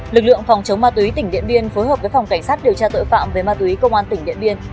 lực lượng phòng chống ma túy tỉnh điện biên phối hợp với phòng cảnh sát điều tra tội phạm về ma túy công an tỉnh điện biên